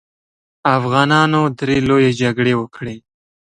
افغانانو درې لويې جګړې وکړې.